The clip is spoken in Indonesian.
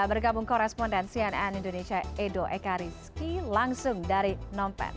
bergabung koresponden cnn indonesia edo ekariski langsung dari nompen